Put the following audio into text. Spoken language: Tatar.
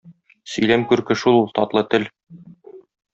Сөйләм күрке шул ул - татлы тел.